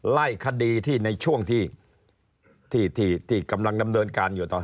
ไล่คดีที่ในช่วงที่กำลังดำเนินการอยู่ตอน